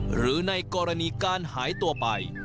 หรือในกรณีการหายตัวไป